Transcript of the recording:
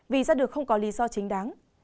vì ra được không có lý do chính đáng